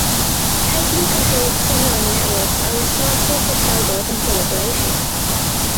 Tightly controlled signalling networks are responsible for cell growth and proliferation.